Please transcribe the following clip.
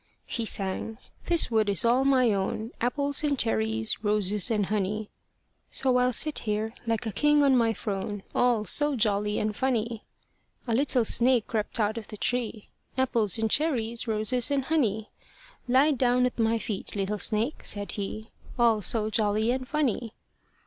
He sang, "This wood is all my own, Apples and cherries, roses and honey; So here I'll sit, like a king on my throne, All so jolly and funny." A little snake crept out of the tree, Apples and cherries, roses and honey; "Lie down at my feet, little snake," said he, All so jolly and funny.